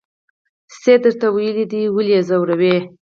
څه یې درته ویلي دي ولې یې ځوروئ.